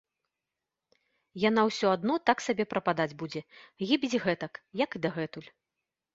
Яна ўсё адно так сабе прападаць будзе, гібець гэтак, як і дагэтуль.